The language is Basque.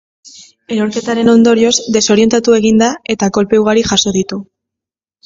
Erorketaren ondorioz, desorientatu egin da eta kolpe ugari jaso ditu.